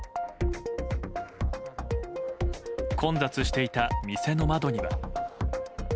混雑していた店の窓には。